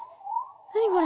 何これ？